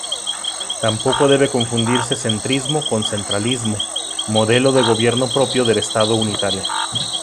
Tampoco debe confundirse centrismo con centralismo, modelo de gobierno propio del estado unitario.